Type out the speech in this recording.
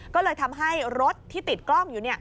ก็เลยทำให้รถที่ติดกล้องอยู่